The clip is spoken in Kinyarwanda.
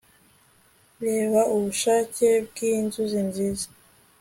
reba ubushake bwinzuri nziza